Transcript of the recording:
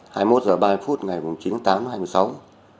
hai mươi một h ba mươi phút ngày chín tháng tám hai mươi sáu